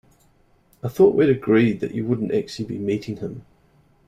I thought we'd agreed that you wouldn't actually be meeting him?